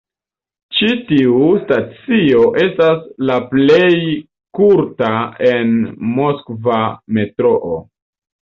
Ĉi tiu stacio estas la plej kurta en Moskva metroo.